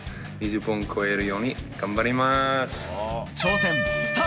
２０本超えられるように頑張ります。